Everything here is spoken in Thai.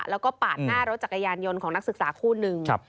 แล้วก็ปาดหน้ารถจักรยานยนต์ของนักศึกษาคู่นึง